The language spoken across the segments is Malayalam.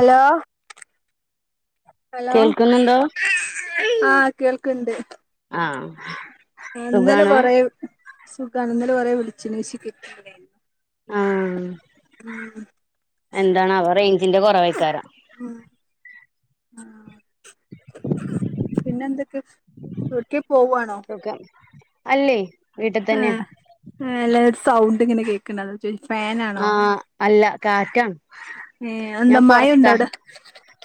ഹലോ ഹലോ കേൾക്കുന്നുണ്ടോ ആഹ് കേൾക്ണ്ട് ആഹ് ഇന്നലെ സുഖാണോ കൊറെ സുഖാണ് ഇന്നലെ കൊറെ വിളിച്ച്ണ് പക്ഷേ കിട്ട് ആഹ് ആഹ് എന്താണാവോ റെയ്ഞ്ചിന്റെ കൊറവയ്ക്കാരം ഉം ആഹ് പിന്നെ എന്തൊക്കെ ഒട്ക്കെ പോവാണോ ഒക്ക അല്ലെയ് ആഹ് ആല്ല സൗണ്ട് ഇങ്ങനെ കേക്ക്ണ്ട് അതാ ചോയ്ച് ഫേനാ ആഹ് അല്ല കാറ്റാണ് ഏഹ് അഎന്താ മഴണ്ടവ്ടെ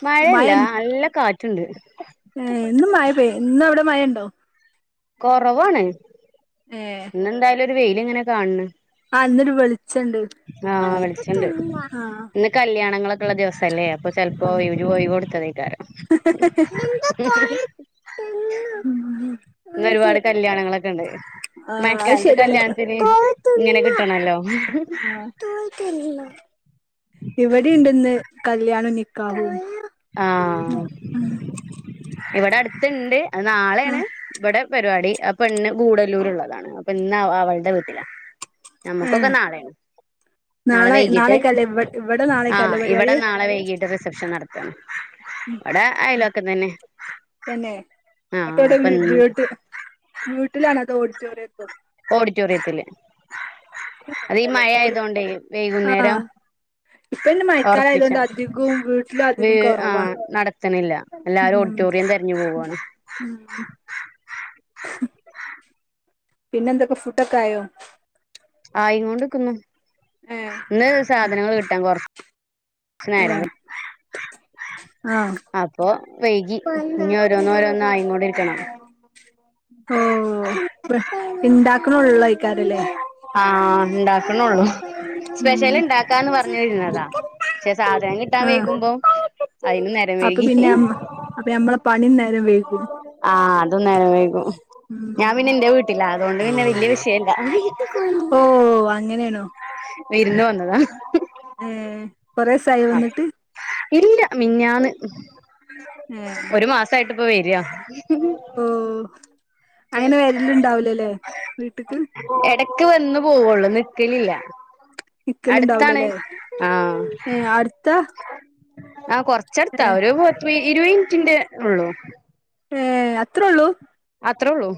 മഴയല്ല നല്ല കാറ്റ്ണ്ട് ഏഹ് ഇന്നും മഴ പെയ് ഇന്നും അവ്ടെ മഴ ഇണ്ടോ കൊറവാണ് ഏഹ് ഇന്നെന്തായാലും ഒരു വെയില് ഇങ്ങനെ കാണ് ണ് ആഹ് ഇന്നൊരു വെളിച്ചെണ്ട് ആഹ് കല്യാണങ്ങളൊക്കള്ള ദിവസല്ലേ അപ്പൊ ചെൽപ്പോ ഒരു ഒഴിവ് കൊടുത്തതേക്കാരം ഇന്ന് ഉം ഒരുപാട് കല്യാണങ്ങളെക്കെ ഇണ്ട് ആഹ് അത് മഴക്കാലത്ത് ശരിയാണ് കല്യാണത്തിന് ഇങ്ങനെ ക് ട്ടണല്ലോ ഇവടിം ണ്ട്ഇന്ന് കല്യാണോം നിക്കാഹും ആഹ് ഇവടെ അട്ത്ത്ണ്ട് അത് നാളേണ് ആഹ് ഇവടെ പരിപാടി അപ്പെണ്ണ് ഗൂഡല്ലൂര്ള്ളതാണ് അപ്പ ഇന്നാ അ അവൾടെ വീട്ടിലാ നമ്മക്കൊക്കെ ഏഹ് നാളേണ് നാളെ വൈകീട്ട് നാളേക്കല്ലേ ഇവ ഇവിടെ നാളേക്കല്ലേ ആഹ് പരിപാടി ഇവടെ നാളെ വൈകീട്ട് റിസപ്ഷൻ നട്ത്ത് ഉം ഇവ്ടെ അയലോക്കത്തന്നെ തന്നെ എട്ടോട്ട് വീട്ട് വീട്ടിലാണോ അതോ ഓഡിറ്റോറിയത്തോ ഓഡിറ്റോറിയത്തില് അത് ഈ മഴ ആയതോണ്ടേ ആഹ് വൈകുന്നേരം ഇപ്പൊ ഇനി ഒർപ്പിച്ച മഴക്കാലായതുകൊണ്ട് അധികവും വീട്ടിലും വീ അധികം കൊറവാ ആഹ് നടത്ത്ണില്ല എല്ലാരും ഓഡിറ്റോറിയം തെര്ഞ്ഞ് പോവാണ് പിന്നെന്തൊക്ക ഫുഡൊക്കെ ആയോ ആയിങ്ങോണ്ട്ക്ക്‌ന്നു ഏഹ് ഇന്ന് സാധനങ്ങള് കിട്ടാൻ കൊർ ച്ച് നേരം ഏഹ് വെ ആഹ് അപ്പൊ വൈകി പണ്ട ഇഞ്ഞോരോന്ന് ഓരോന്നായിങ്ങോണ്ട് ഇരിക്ക്‌ണ് ഓഹ് ഇണ്ടാക്ക്‌ണൊള്ളെയ്ക്കാരംലേ ആഹ് ഇണ്ടാക്ക്‌ണൊള്ളു സ്പെഷ്യല് ഇണ്ടാക്കാന്ന് പർഞ്ഞ് ഇര്ന്നതാ പക്ഷെ സാധനം കിട്ടാൻ വൈകുമ്പോ- അയിനും നേരം അപ്പ വൈകി പിന്നെ അം അപ്പഞമ്മളെ പണിം നേരം വെയ്കും ആഹ് അതും നേരം വൈകും ഞാൻ ഉം പിന്നെ ഇന്റെ വീട്ടിലാ അതോണ്ട് പിന്നെ വെല്ല്യ വിഷയംല്ല ഓഹ് അങ്ങനേണോ വിര്ന്ന് വന്നതാ ഉം കൊറേസായോ വന്ന്ട്ട് ഇല്ല മിഞ്ഞാന്ന് ഏ ഒര് മാസായിട്ട് ഇപ്പ വെര്യാ ഓഹ് അങ്ങനെ വെരല്ണ്ടാവൂലലേ വീട്ട്ക്ക് എടക്ക് വന്ന് പോവൊള്ളു, നിക്കലില്ല. അട്ത്താണ്. നിക്കലുണ്ടാവൂലല്ലേ ആഹ് ഏ അടുത്താ ആഹ്, കൊർച്ചട്ത്താ ഏ ഒരു പത്തി ഇരുവെത് മിൻറ്റിന്റെ ഒള്ളൂ. ഏഹ്, അത്രൊള്ളൂ? ആഹ്, അത്രൊള്ളൂ.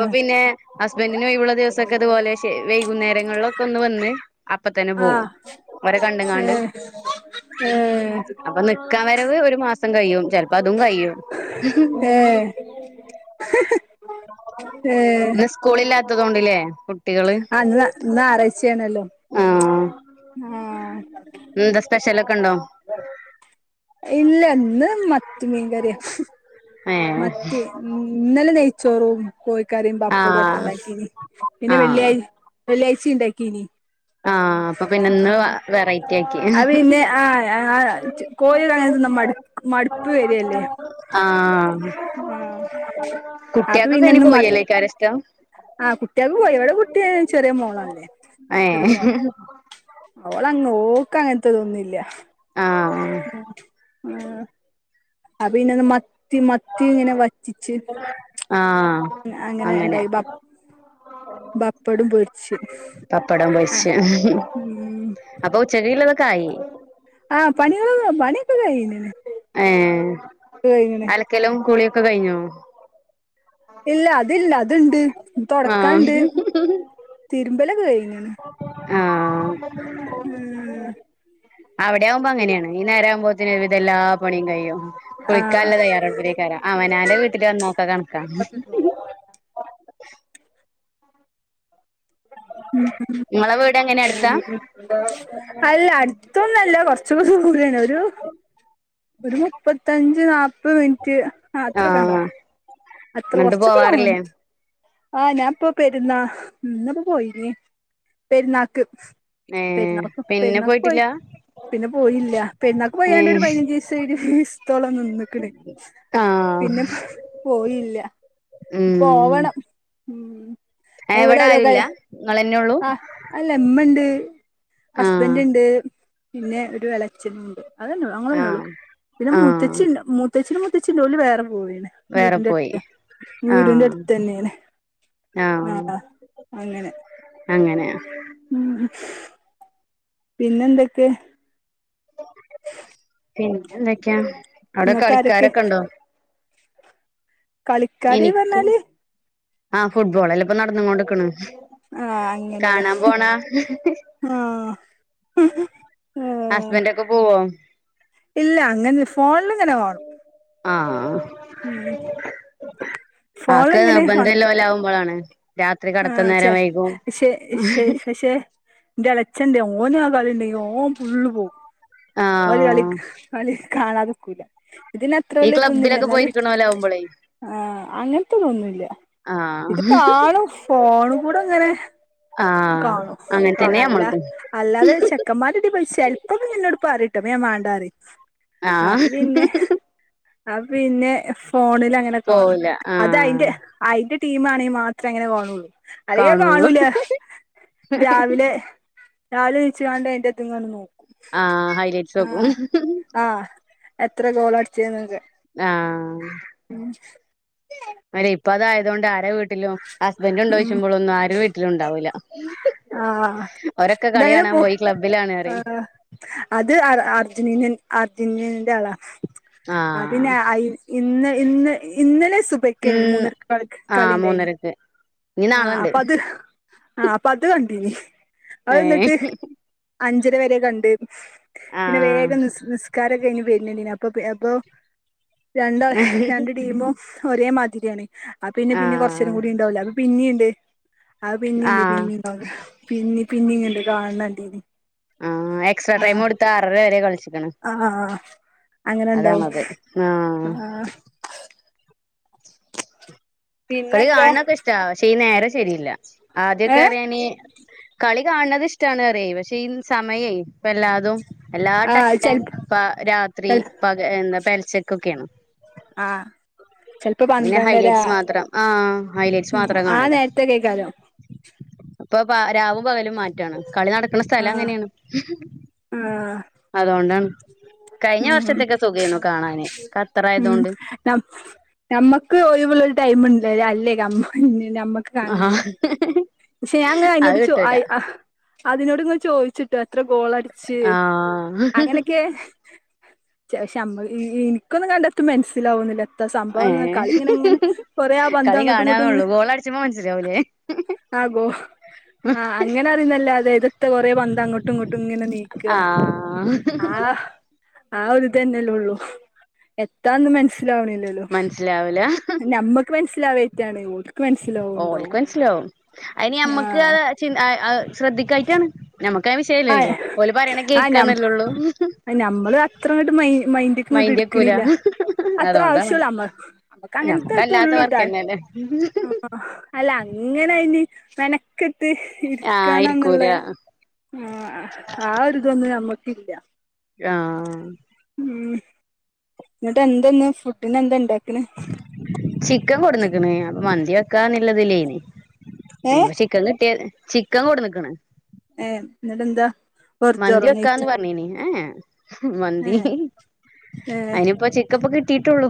ഏ പിന്നെ ഹസ്ബന്റ്ന് ഒഴിവ്ള്ള ദിവസൊക്കെ തുപോലെ വൈകുന്നേരങ്ങൾളൊക്കൊന്ന് വന്ന് അപ്പ തന്നെ പോവും. ആഹ് ഓരെ കണ്ട്ങ്ങാണ്ട് ഏഹ് ഏഹ് അപ്പൊ നിക്കാം വരവ് ഒരു മാസ് സം കയ്യും. ചെൽപ്പം അതും കയ്യും. [inaudible] ഏഹ് ഇന്ന് സ്കൂളില്ലാത്തതോണ്ട്ലേ? ആഹ്, ഇന്ന് ഇന്ന് ഞായറാഴ്ച്ചേണല്ലോ. ആഹ്. ഇന്നെന്താ സ്പെഷ്യലൊക്കെണ്ടോ? ഇല്ല, ഇന്ന് മത്തി മീൻകറിയാ. ഏഹ്. ഉം, ഇന്നലെ നെയ്ച്ചോറും കോഴിക്കറീം പപ്പടോം ഒക്കെ ആഹ് ണ്ടാക്കീനി. പിന്നെ ആഹ് വെള്ളിയാഴ് വെള്ളിയായ്ച്ചിം ണ്ടാക്കീനി. ആഹ് അപ്പൊ പിന്നെ ഇന്ന് ആഹ്, വെറൈറ്റി ആക്കി അഹ് പിന്നെ ആഹ് ആഹ് ച്ചു കോഴിടഅങ്ങനെതിന്ന മട്ക്ക് മട്പ്പ് വെരല്ലേ? ആഹ്, അപ്പൊ കുട്ട്യെക്കൊക്കെ അയ്ന് പിന്നെന്നും മ കോഴിഅല്ലേക്കാരഷ്ടം? ആഹ്, കുട്ട്യാക്ക്‌ കോയിയാ വടെ കുട്ടീ അയ്ന് ചെറ്യേ മോളല്ലേ ചെറ്യേ ഏഹ് മോള. ഓളങ്ങ് ഓക്കങ്ങൻത്തതൊന്നുംല്ല്യ. ആഹ്. അഹ്, ആഹ് അത്പിന്നെന്താ മ ത്തി മത്തി ഇങ്ങനെ വറ്റിച്ച്, ആഹ് അങ്ങ് അങ്ങനെ ഇണ്ടായി. ബപ് ബപ്പടും പൊരിച്ച്, പപ്പടം ആഹ്, പൊരിച്ചെ ഉം അപ്പൊ ഉച്ചക്കേക്ക്ല്ലതൊക്കായി. ആഹ്, പണികള് പണ്യോക്കെ കയ്ഞ്ഞ്ണ്. ഏഹ്, അലക്കലും കുളിയൊക്കെ കഴിഞ്ഞോ? ഇല്ല അത് ല്ല. അത്ണ്ട് ഇനി ആഹ് തൊടക്കാണ്ട്. തിര്മ്പലൊക്കെ കഴിഞ്ഞ്ണ്. ഉം ആഹ്. അവടെആവുമ്പോ അങ്ങനേണ്. ഈ നേരാവുമ്പോത്തിന് ഒര് വിതം എല്ലാപണിയും കഴിയും. ആഹ്. നല്ല തയ്യാറെടുപ്പ്ലേക്കാരം അവനാന്റെ വീട്ട്ല് വന്നാ ഒക്കെ കണക്കാ. ഉം, നിങ്ങളെ വീട് ഉം എങ്ങനെ അടുത്താ [unintelligible] അല്ല അട് അട്ത്തൊന്നുഅല്ല കൊർച്ചു [unintelligible] കൂടുതലാണ് ഒരു ഒരു മുപ്പത്തഞ്ച് നാപ്പത് മിൻറ്റ് ആഹ്, അത്രൊക്കെണ്ടാവും. അത്ര എന്നിട്ട് കൊർച്ചൊക്ക പോവാറില്ലേ ലോങ്ങ്ണ്ട്. ആഹ്, ഞാൻപ്പൊ പെരുന്നാ എന്നാപ്പോ പോയിനേ പെരുന്നാക്ക്. ഏ പെര്ന്നാക്ക് പിന്നെ പെര്ന്നാക്കോയി പോയിട്ടില്ല പിന്നെ പോയീല്ല്യ. ഏ പെരുന്നാക്ക്പോയാണ്ടൊരു പതിനഞ്ചീസം ഇരുവീസ്ത്തോളം നിന്ന്ക്ക്ണ്. ആഹ് പോയീല്ല്യ. ഉം പോവണം. ഉം ഇവിടെ എവിടൊരോ ആരുല്ല കാര്യം നിങ്ങളന്നെ ഉള്ളൂ ആഹ്, അല്ലമ്മണ്ട്. ആഹ് ഹസ്ബൻ്റ് ണ്ട്. പിന്നെ ഒരു എളച്ഛനൂണ്ട്. അതെന്നൊള്ളൂ. ഞങ്ങളെന്നൊള്ളൂ. ആഹ് പിന്നെ ആഹ് മൂത്തച്ചിണ്ട് മൂ ത്തച്ഛിനും മൂത്തച്ഛിണ്ട്. ഓല് വേറെ പോയീണ്. വേറെ വീട്ടിന്റെ പോയി അടുത്ത് വീടിന്റെ ആഹ് അടുത്തന്നേണ്. ആഹ് അങ്ങനെ. അങ്ങനെ. ഉംഉം. പിന്നെന്തൊക്കെ? പിന്നെന്തൊക്കെയാ, അവ്ടെ ഇങ്ങക്കാരൊക്കെ കളിക്കാരൊക്കെണ്ടോ? കളിക്കാര് പർഞ്ഞാല് ആഹ് ഫുട്ബോളല്ലെ ഇപ്പം നടന്ന് കൊണ്ട്ക്ണ്. ആഹ് അങ്ങനെല്ലേ കാണാൻ പോണാ ആഹ്. ഏഹ് ഹസ്ബൻഡൊക്കെ പോവോ? ഇല്ല അങ്ങനെല്ല ഫോണില്ങ്ങനെ കാണും. ആഹ്. ഉം ആക്കെ ഫോണിലിങ്ങനെ കാണും നിർബന്ധല്ലോല് ആവുമ്പളാണ്. രാത്രി കടത്തം നേരം വൈകും. പക്ഷെ ഇന്റെ എളച്ചെണ്ടെ ഓനാ കളിണ്ടെങ്കി ഓൻ ഫുള്ള് പോവും. ആ ഓല് കളിക് കളി കാണാതക്കൂല. ഇതിന് അത്ര ഈ വല്ല്യ ഇതൊന്നില്ല. ക്ലബ്ബിലൊക്കെ എന്നാലും, പോയിരിക്കണോലാവുമ്പോളേ ആഹ് അങ്ങനത്തതൊന്നുല്ല്യ. ആ ഇത് കാണും ഫോൺ കൂടെ അങ്ങനെ ആ കാണും. അങ്ങനെ കാണും. തന്നെ അല്ല നമ്മളതും അല്ലാതെ ചെക്കന്മാരെടീ പോയി ചെൽ പ്പൊക്കെങ്ങന്നോട് പറയുട്ടൊ അപ്പൊ ഞാൻ മാണ്ടാറിം. ആ അപ്പൊ പിന്നെ അഹ് പിന്നെ ഫോണില് അങ്ങനെ കാണു. പോവൂല ആ അതയിൻ്റെ അയിന്റെ ടീം ആണെങ്കി മാത്രേ അങ്ങനെ കാണുള്ളു. അല്ലെങ്കി അത് കാണുള്ളൂ കാണൂല. രാവിലെ രാവിലെ എണീച്ച്ങ്ങണ്ട് അയ്ന്റെ ഇത്ങ്ങനെ നോ ആഹ് ഹൈലൈറ്റ്സ് നോക്കും. ആഹ് എത്ര ഗോള് അട്ച്ച് ന്നൊക്കെ. ആഹ്. ഉം. ഒരേ ഇപ്പ അതായതൊണ്ട് ആരെ വീട്ടിലും ഹസ്ബൻഡ് ഉം ഇണ്ടോയ്ച്ചുമ്പളൊന്നും ആരും വീട്ടിലും ഉണ്ടാവൂല്ല. ആഹ് എന്തങ്കിലും പു, ക്ലബ്ബിലാണ് പറയും ആഹ് അത് അറ അർജന്റീന അർജന്റീനന്റെ ആളാ. അഹ് പിന്നെ ആഹ് അയി ഇന്ന് ഇന്ന് ഇന്നലെ സുബയ്ക്കേന്യല്ലൊ ഉം മൂന്നരക്ക് കളിക് ആഹ് കളിൻ്റായിനി. മൂന്നരക്ക് ഇനി ആഹ് നാളെണ്ട് അപ്പ അത് ആഹ് അപ്പ അത് കണ്ടീനി. അത് ഏഹ് ന്നട്ട് അഞ്ചര വരെ കണ്ട്. പിന്നെ ആഹ് വേഗം നിസ് നിസ്കാരൊക്കെ കയ്ഞ് വര്നത് കണ്ടീനി. അപ്പപ് അപ്പൊ രണ്ടാള് രണ്ട് ടീമും ഒരേ മാതിരിയാണ്. അപിന്നെ പിന്നെ കൊറച്ചേരം ആഹ് കൂടി ഇണ്ടാവൂലേ അത് പിന്നീണ്ട്. അത് പിന്നീണ്ട് ആഹ് പിന്നീ [unintelligible] പിന്നീ പിന്നീങ്ണ്ട് കാണ് ണ കണ്ടീനി. അത് എക്സ്ട്രാ ടൈം കൊടുത്ത് ആറര വരെ കളിച്ച്ക്ണ്. ആഹ് അങ്ങനെണ്ടാവും ആഹ്. [inaudible] കളി പിന്നെന്താ കാൺണൊക്കെ ഇഷ്ടാ. പക്ഷെ ഈ നേരം ശരിയില്ല. ആദ്യൊക്കെ ഏഹ് പറയാന് കളി കാൺണത് ഇഷ്ടാണ് പറ്യേ. പക്ഷേ ഈ സമയേ ഇപ്പ എല്ലാതും എല്ലാ ആഹ് ടൈം ചെൽപ് പ രാത്രി ചെൽ പക എന്താ പെൽച്ചക്കൊക്കേണ്. ആഹ് ചെൽപ്പ പന്ത്രണ്ടരാ, ഹൈലൈറ്റ്സ് മാത്രം ആ ഹൈലൈറ്റ്സ് ഉം മാത്രം ആ കാണല നേരത്തൊക്കേകാരം. ഇപ്പൊ പ രാവും പകലും മാറ്റാണ്. കളി നടക്ക്ണ സ്ഥലം ആഹ് അങ്ങനേണ്. ആഹ് അതോണ്ടാണ് കഴിഞ്ഞ ഉം വർഷത്തക്കെ സുഘേന്നു കാണാന് ഉം ഖത്തറായതുകൊണ്ട് നമ് നമ്മക്ക് ഒയിവുള്ള ഒരു ഡെയ്മുണ്ട് അലമ്മ നമ്മക്ക് ആഹ ആഹ ക്ഷെ ഞങ്ങനെ ആയിനോട് ചെ ഐ ആഹ അതിനോട്ങ്ങനെ ചോദിച്ചുട്ടോ എത്ര ഗോളടിച്ച് ആ അങ്ങനെക്കെ പക്ഷെ ഞമ്മ ഇ ഇ ഇനിക്കൊന്നും കണ്ടട്ട് മനസ്സിലാവുന്നില്ല ത്താ ഏ സംഭവന്ന് കളി ങ്ങനെ ങ്ങനെ കൊറേ ആ പന്ത് കളി അങ്ങട്ടും ഇങ്ങട്ടും കാണാന്നള്ളൂ ഇങ്‌ ഗോൾ അടിച്ചുമ്പോ മനസ്സിലാവൂലേ ആ ഗോ ആഹ് അങ്ങനെ അറിന്നല്ലാതെ ഇദെത്ത കൊറെ പന്ത് അങ്ങട്ടും ഇങ്ങോട്ടും ങ്ങനെ നീക്ക ആ ആഹ് ആ ഒരുതെന്നെല്ലെള്ളു എത്താന്ന് മനസ്സിലാവുണില്ല മനസ്സിലാവുല ഞമ്മക്ക് മനസ്സിലാവയ്റ്റാണ് ഓല് ഓൽക്ക് മനസിലവും അയിന് ആ ഞമ്മക്ക് അഹ് ക്ഷേ അഹ് അഹ് ശ്രദ്ധിക്കായിറ്റാണ് നമ്മക്ക് അദ് ആ വിഷയല്ലല്ലോ ഓല് പറയണ ആ കേൾക്കാന്നല്ലേള്ളൂ നമ്മള് അത്രങ്‌ട്ട് മൈ മൈ ഇഗണ്ട് മൈന്റെക്കൂല ഇട്ക്ക്ണില്ല അത്ര അതുകൊണ്ടാണ് ആവശ്യള്ളൂ അമ്മ അമ്മക്ക് ഞമ്മക്കല്ലാത്ത അങ്ങനത്തെതൊള്ളൂ ട്ടോ വർക്കന്നെല്ലേ ആ അല്ല അങ്ങനയ്ന് മെനക്കെട്ട് ആഹ് ഇരിക്കണന്നുള്ള ഇരിക്കൂല ആഹ് ആ ഒരുദിതൊന്നും നമ്മക്കില്ല ആഹ് ഉ ന്നിട്ട് എന്തന്ന് ഫുഡിനന്താ ഇണ്ടാക്ക്ണ് ചിക്കൻ കൊട്ന്നിക്ക്ണ് അപ്പൊ മന്തി വെക്കാന്നുള്ളതിലെന്ന് ഏ എ ശേ ന്ന്ട്ട്യാ ചിക്കൻ കൊട്ന്ന്ക്ക്ണ് ഏ ന്നിട്ടെന്താ മന്തി വെക്കാന്ന് പറഞ്ഞീനി ഏഹ് ഏ മന്തി ഏ ഏ അയിനിപ്പ ചി ക്കൻ ഇപ്പ കിട്ടിട്ടുള്ളു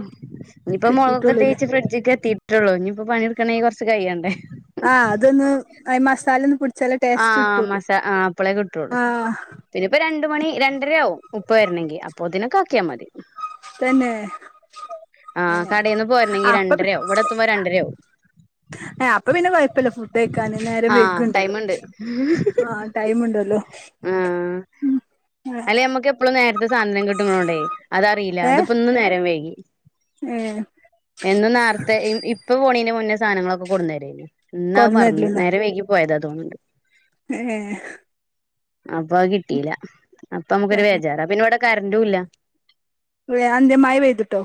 ഇഞ്ഞിപ്പ മുളകൊക്കെ കിട്ടിട്ടുള്ളൂല്ലേ തേച്ച് ഫ്രിഡ്ജ്ക്ക എത്തി ട്ടെള്ളൂ ഇനിയിപ്പ പണിട്ക്കണങ്കി കൊറച്ച് കയിയണ്ടേ ആഹ് അതൊന്ന് അയ് മസാലൊന്ന് പി ആഹ് മസാ ആ അപ്പളെ കിട്ടള്ളൂ ആ ഇനിപ്പ രണ്ട് മണി രണ്ടരയാവും ഉപ്പ വരണങ്കി അപ്പൊയ്തിനൊക്കെ ആക്കിയാ മതി തന്നെ ഏ ആഹ് കടയിന്ന് പോരണെങ്കി അപ്പ രണ്ടരവും ഇവിടെ എത്തുമ്പോ രണ്ടരാവും ഏഹ് അപ്പൊ പിന്നെ കൊയ്പ്പല്ല ഫുഡ് കയ്ക്കാൻ നേരം ആഹ് വൈഗുണ്ടല്ലോ ടൈമ്ണ്ട് ആ ടൈമുണ്ടല്ലോ ആഹ് അല്ലെ ഞമ്മക്ക് എപ്പളും നേരത്തെ സാധനം കി ട്ടുണോണ്ടെയ് അതറില്ല ഏ ഇതിപ്പോ ഇന്ന്നേരം വൈകി ഏ എന്നും നേറത്തെ ഇ ഇപ്പ പോണീന്റെ മുന്നേ സാധനങ്ങളൊക്കെ കൊട്ന്നേരൂയ്ന്ന് ഇന്നദ് മറന്ന് കൊടന്നരലുണ്ടോ നേരം വൈകി പോയത തോന്നുണ്ട് ഏ ഏ അപ്പൊ അത് കിട്ടില അപ്പൊ നമുക്കൊരു തന്നെ വേജാറ പിന്ന ഇവടെ കറന്റുംല്ല ഏ അതെന്തേ മയ പെയ്തിട്ടോ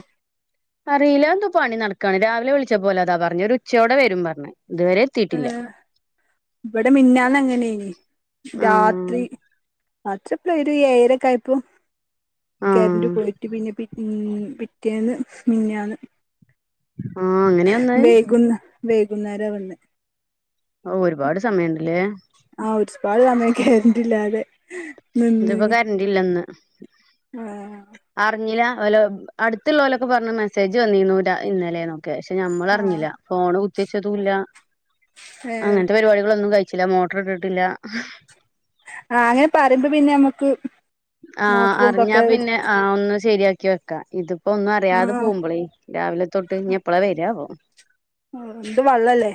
അറീല എന്തോ പണി നടക്കണ് രാവിലെ വിളിച്ചപോലെഅതാ പറഞ് ഒരു ഉച്ചയോടെ വരും പറഞ്ഞു ഇത് വരെ ആഹ് ഇബടെ മിഞാന്നങ്ങനെന്ന് ആഹ് രാത്രി അച്ഛപ്ളേര് ഏഴെരക്കായപ്പൊ കെര്ന്റ് ആഹ് പോയിട്ട് പിന്നെ പിൻ പിറ്റേന്ന് മിഞ്ഞാന്ന് ആഹ് അങ്ങനെയാ വന്നത് വെയ്കുന്ന് വെയ്കുന്നേര വന്ന് ഔ ഒരുപാട് സമയണ്ട്ലേ ആഹ് ഒരു സ്പാട് സമയം കരന്റില്ലാതെ ഇന്നട്ട്പ്പൊ കരന്റില്ലന്ന് ആ, അർഞ്ഞില ഓല അടുത്ത്ള്ളോലൊക്ക പറ്ഞ്ഞു മെസ്സേജ് വന്നീന്നു രാ ഇന്നലേന്നൊ പക്ഷെ ആ, ഞമ്മളർഞ്ഞില ഫോണ് കുത്തീച്ചതൂല്ല ഏ, അങ്ങൻത്തെ പരിപാടികളൊന്നും കഴി ച്ചില മോട്ട്ര് ഇട്ട്ട്ടില്ല ആഹ് അങ്ങനെ പറീയ്മ്പൊ പിന്ന നമ്മക്ക് ആഹ് അർഞ്ഞാ പിന്നെ ആഹ് ഒന്ന് ശരിയാക്കി വെക്കാ ഇത് പ്പൊ ഒന്നും ആ അറിയാതെ പോവുമ്പളേ രാവിലെ തൊട്ട് ഇഞ്ഞി എപ്പളാ വരാവോ ട്ടും വള്ളല്ലേ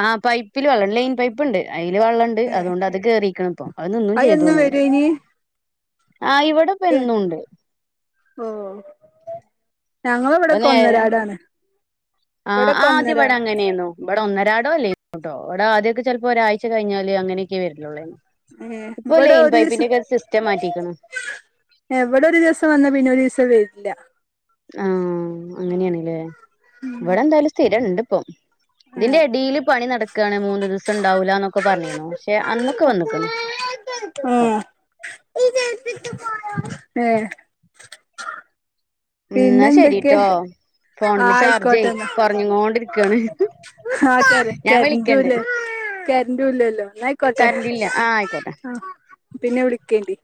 ആഹ് പൈപ്പില് വള്ളം ലെൈൻ പൈപ്പ് ഇണ്ട് അയില് വള്ളണ്ട് ണ്ട് ഏ അതുകൊണ്ട് അത് കേറീക്ക്‌ണ് ഇപ്പൊ അത് നിന്നും എന്നും ചെയ്തോന്നുണു വരും ഇനി ആഹ് ഇവിടെ ഇപ്പെന്നൂണ്ട് ഓഹ് അത് നേരെ ഞങ്ങളവിടെക്കൊന്നരാടാണ് ഇവിടെക്കൊന്നര ഇങ്ങനേന്നോ ഇബടെ ഒന്നരാടൊ ഇല്ലെയ്ന്നുട്ടോ ഇബടെ ആദ്യൊക്ക ചെൽപ്പൊ ഒരാഴ്ച കഴിഞ്ഞാല് അങ്ങനെയൊക്കെ വർലുള്ളായ്ന്ന് ഏഹ് ഇപ്പൊ ഇവിടെ ലൈൻ ഒരു ദിവസം പൈപ്പിന്റൊക്കെ സിസ്റ്റം മാറ്റിക്ക്‌ണ് ഏഹ് ഇവിടെ ഒരു ദിവസം വന്ന പിന്നെ ഒരു ദിവസം വര്ല ആഹ് അങ്ങനേണ്ലേ ഇവിടെ എന്തായാലും സ്ഥിരണ്ട് ഇപ്പൊ ഇതിന്റെ ഏഹ് എടീല് പണി നടക്കാണ് മൂന്നു ദിവസം ഇണ്ടാവൂലാന്നൊക്ക പർഞ്ഞീന്നു പക്ഷെ അന്നൊക്കെ വന്ന്ക്ക്‌ണ് ഉം ഏഹ് ഉം ഇന്നാ പിന്നെന്തൊക്കെ ശരീട്ടോ ഫോൺല് ചാർജെ ആയിക്കോട്ടെന്നാ കൊറ്ഞ്ഞ്ങ്ങോണ്ടിരിക്കാണ് ആഹ് തെ തെ കര്ന്റൂല്ലലൊ കര്ന്റൂല്ലലൊ ഇന്ന അയ്ക്കോട്ടെ കറണ്ടില്ല ആഹ് ആയിക്കോട്ടെ ആഹ് പിന്നെ വിളിക്കണ്ടി